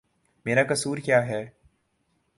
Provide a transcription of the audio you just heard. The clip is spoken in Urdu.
میرا قصور کیا ہے؟